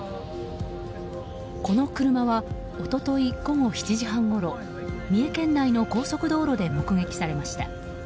この車は、一昨日午後７時半ごろ三重県内の高速道路で目撃されました。